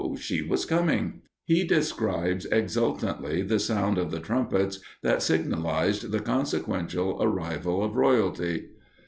she was coming. He describes exultantly the sound of the trumpets that signalized the consequential arrival of royalty.